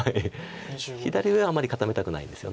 左上はあんまり固めたくないんですよね。